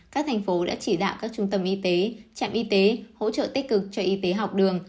các thành phố đã chỉ đạo các trung tâm y tế trạm y tế hỗ trợ tích cực cho y tế học đường